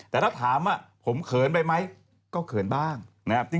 แต่ถ้าถามว่าผมเขินไปไหมก็เขินบ้างนะครับ